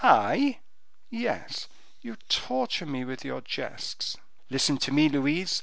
"I?" "Yes, you torture me with your jests." "Listen to me, Louise.